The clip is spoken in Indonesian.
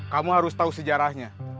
kamu harus tahu sejarahnya